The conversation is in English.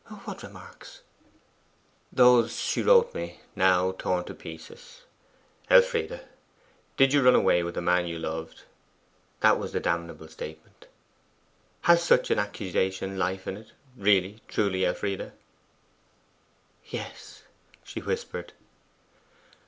'What remarks?' 'Those she wrote me now torn to pieces. Elfride, DID you run away with a man you loved? that was the damnable statement. Has such an accusation life in it really, truly, Elfride?' 'Yes,' she whispered.